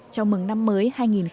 cho mừng năm mới hai nghìn hai mươi